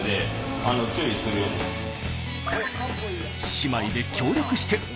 姉妹で協力して。